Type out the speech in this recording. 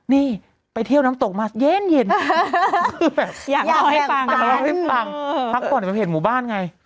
นี่ไปเที่ยวน้ำตกมาเย็นเย็นคือแบบอยากเอาให้ฟังอยากเอาให้ฟังเออฟักก่อนเดี๋ยวไปเห็นหมู่บ้านไง